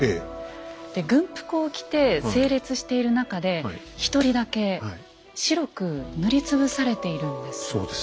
で軍服を着て整列している中で一人だけ白く塗りつぶされているんです。